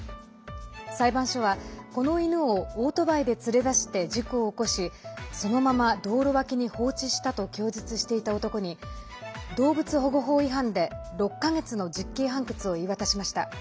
裁判所は、この犬をオートバイで連れ出して事故を起こしそのまま道路脇に放置したと供述していた男に動物保護法違反で６か月の実刑判決を言い渡しました。